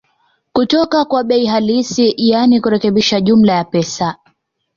kutoka kwa bei halisi yaani kurekebisha jumla ya pesa